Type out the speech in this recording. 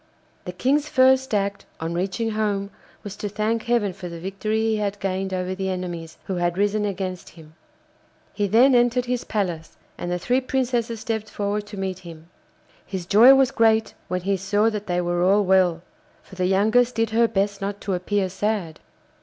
The King's first act on reaching home was to thank Heaven for the victory he had gained over the enemies who had risen against him. He then entered his palace, and the three Princesses stepped forward to meet him. His joy was great when he saw that they were all well, for the youngest did her best not to appear sad.